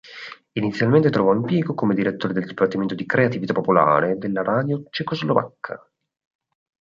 Inizialmente trovò impiego come direttore del dipartimento di creatività popolare della Radio cecoslovacca.